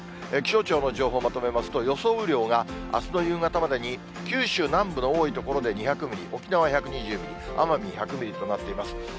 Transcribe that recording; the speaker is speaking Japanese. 気象庁の情報をまとめますと、予想雨量があすの夕方までに九州南部の多い所で２００ミリ、沖縄１２０ミリ、奄美１００ミリとなっています。